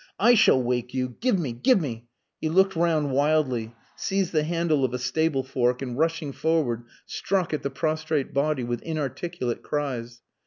"I shall wake you! Give me...give me..." He looked round wildly, seized the handle of a stablefork and rushing forward struck at the prostrate body with inarticulate cries.